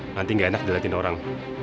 nanti gak enak dilihatin orang